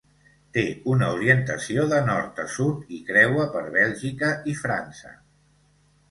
Té una orientació de nord a sud i creua per Bèlgica i França.